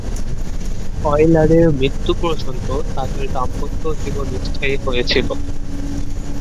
অয়লারের মৃত্যু পর্যন্ত তাদের দাম্পত্য জীবন স্থায়ী হয়েছিল।